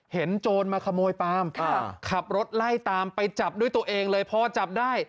โจรมาขโมยปาล์มขับรถไล่ตามไปจับด้วยตัวเองเลยพอจับได้